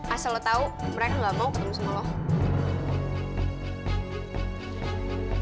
asal lu tau mereka gak mau ketemu sama lu